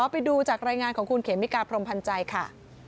ไปดูจากรายงานของคุณเขมิกาพรมพันธ์ใจค่ะ